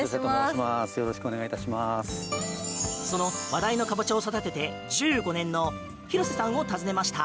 その話題のカボチャを育てて１５年の廣瀬さんを訪ねました。